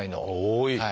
多い！